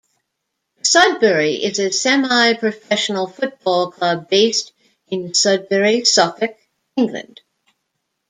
Sudbury is a semi-professional football club based in Sudbury, Suffolk, England.